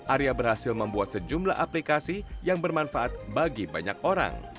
arya berhasil membuat sejumlah aplikasi yang bermanfaat bagi banyak orang